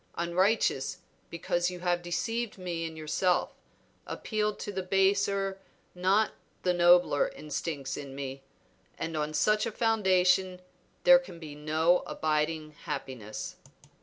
Unrighteous, because you have deceived me in yourself, appealed to the baser, not the nobler instincts in me, and on such a foundation there can be no abiding happiness."